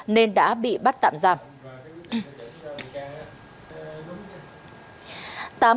nên đã bị bắt tạm giam